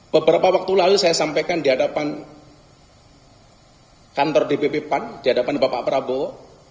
beberapa waktu lalu saya sampaikan di hadapan kantor dpp pan di hadapan bapak prabowo